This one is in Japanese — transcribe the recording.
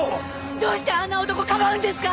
どうしてあんな男かばうんですか！？